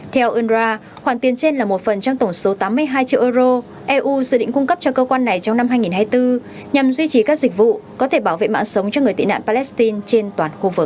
theo unrwa khoản tiền trên là một phần trong tổng số tám mươi hai triệu euro eu dự định cung cấp cho cơ quan này trong năm hai nghìn hai mươi bốn nhằm duy trì các dịch vụ có thể bảo vệ mạng sống cho người tị nạn palestine trên toàn khu vực